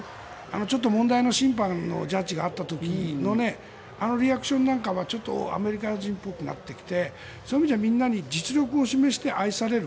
ちょっと問題の審判のジャッジがあった時のあのリアクションなんかはちょっとアメリカ人っぽくなってきてそういう意味じゃ、みんなに実力を示して愛される。